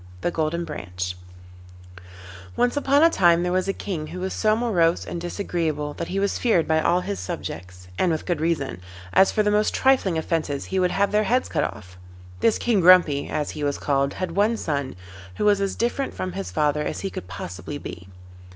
THE GOLDEN BRANCH Once upon a time there was a King who was so morose and disagreeable that he was feared by all his subjects, and with good reason, as for the most trifling offences he would have their heads cut off. This King Grumpy, as he was called, had one son, who was as different from his father as he could possibly be.